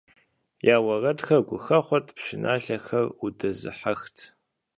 Я уэрэдхэр гухэхъуэт, пшыналъэхэр удэзыхьэхт.